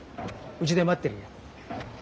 うちで待ってるよ。